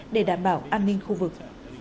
để đảm bảo an ninh khu vực